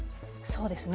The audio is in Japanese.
そうですね。